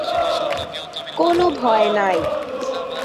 কোনো ভয় নাই।